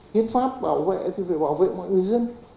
hiến pháp bảo vệ thì phải bảo vệ mọi người dân